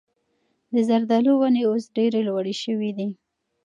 د زردالو ونې اوس ډېرې لوړې شوي دي.